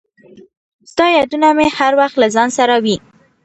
• ستا یادونه مې هر وخت له ځان سره وي.